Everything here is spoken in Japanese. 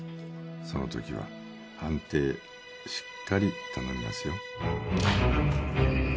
その時は判定しっかり頼みますよ